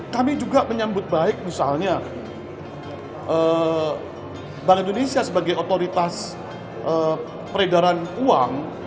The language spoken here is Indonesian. kami juga menyambut baik misalnya bank indonesia sebagai otoritas peredaran uang